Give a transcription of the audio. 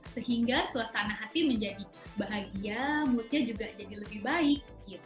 sehingga suasana hati menjadi bahagia moodnya juga jadi lebih baik